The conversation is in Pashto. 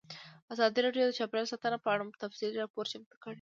ازادي راډیو د چاپیریال ساتنه په اړه تفصیلي راپور چمتو کړی.